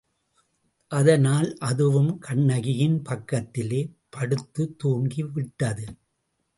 அதனால் அதுவும் கண்ணகியின் பக்கத்திலே படுத்துத் தூங்கிவிட்டது.